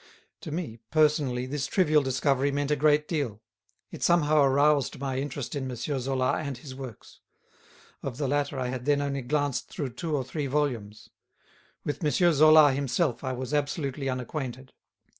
To me, personally, this trivial discovery meant a great deal. It somehow aroused my interest in M. Zola and his works. Of the latter I had then only glanced through two or three volumes. With M. Zola himself I was absolutely unacquainted.